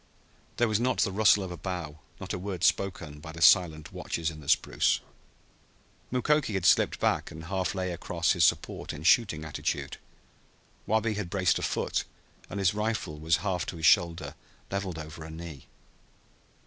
There was not the rustle of a bough, not a word spoken, by the silent watchers in the spruce. Mukoki had slipped back and half lay across his support in shooting attitude. Wabi had braced a foot, and his rifle was half to his shoulder, leveled over a knee.